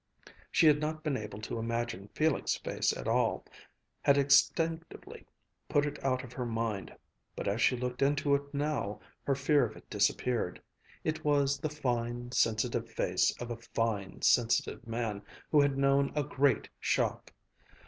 She had not been able to imagine Felix' face at all, had instinctively put it out of her mind; but as she looked into it now, her fear of it disappeared. It was the fine, sensitive face of a fine, sensitive man who has known a great shock.